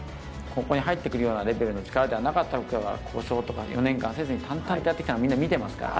ここに入ってくるようなレベルの力じゃなかったが、故障とか４年間せずに淡々とやってきたの、みんな見てますから。